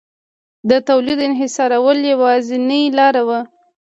د تولید انحصارول یوازینۍ لار وه